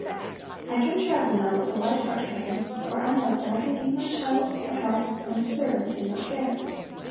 "I can travel now with a light heart, cousin, for I know that I can leave my child, the house and the servants in your care.